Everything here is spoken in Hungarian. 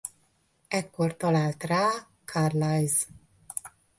Ekkor talált rá Carlisle.